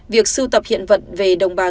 việc sưu tập hiện vật về đồng bào